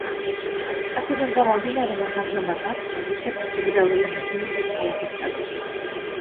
აქედან გამომდინარე მას ამჟამად აქვს რუსეთის ფედერალური მნიშვნელობის ქალაქის სტატუსი.